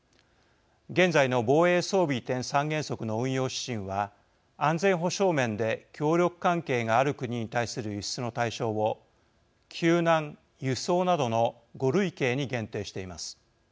現在の防衛装備移転三原則の運用指針は、安全保障面で協力関係がある国に対する輸出の対象を「救難」「輸送」などの５類型に限定しています。